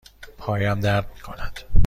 پایم درد می کند.